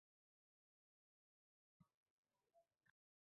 Ammo gap moliyaviy mustaqillikka erishish